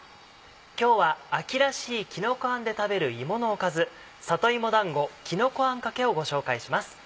今日は秋らしいきのこあんで食べる芋のおかず「里芋だんごきのこあんかけ」をご紹介します。